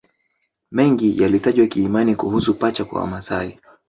Mengi yalitajwa kiimani kuhusu pacha kwa Wamasai